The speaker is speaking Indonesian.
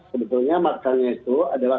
sebetulnya makan itu adalah